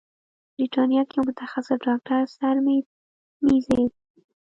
بریتانیا کې یو متخصص ډاکتر سرمید میزیر